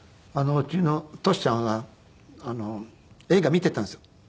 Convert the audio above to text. うちの俊ちゃんが映画見てたんですよ。